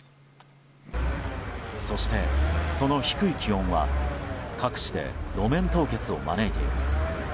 そして、その低い気温は各地で路面凍結を招いています。